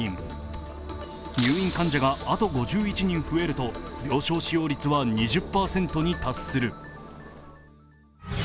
入院患者があと５１人増えると病床使用率は２０％に達する。